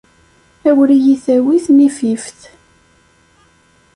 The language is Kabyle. Awer iyi-tawi tnifift.